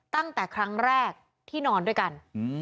ตั้งแต่ครั้งแรกที่นอนด้วยกัน